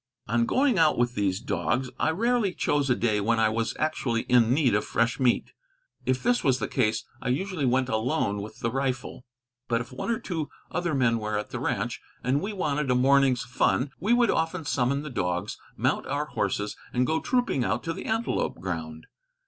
On going out with these dogs, I rarely chose a day when I was actually in need of fresh meat. If this was the case, I usually went alone with the rifle; but if one or two other men were at the ranch, and we wanted a morning's fun, we would often summon the dogs, mount our horses, and go trooping out to the antelope ground.